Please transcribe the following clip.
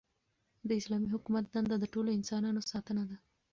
د اسلامي حکومت دنده د ټولو انسانانو ساتنه ده.